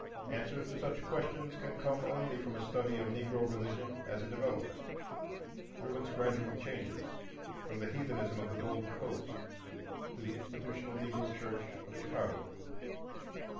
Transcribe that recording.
Answers to such questions can come only from a study of Negro religion as a development, through its gradual changes from the heathenism of the Gold Coast to the institutional Negro church of Chicago.